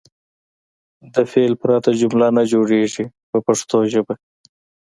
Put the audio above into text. له فعل پرته جمله نه جوړیږي په پښتو ژبه.